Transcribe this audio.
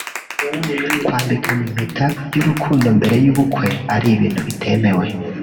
kwambikana impeta y'urukundo mbere y'ubukwe ari ibintu bitemewe